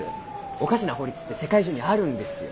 おかしな法律って世界中にあるんですよ。